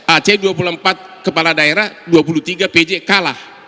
aceh dua puluh empat kepala daerah dua puluh tiga pj kalah